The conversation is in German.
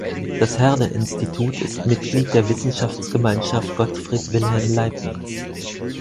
Das Herder-Institut ist Mitglied der Wissenschaftsgemeinschaft Gottfried Wilhelm Leibniz.